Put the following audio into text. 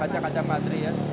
kaca kaca patri ya